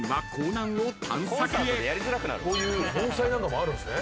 こういう盆栽なんかもあるんすね。